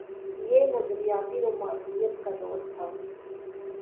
یہ نظریاتی رومانویت کا دور تھا۔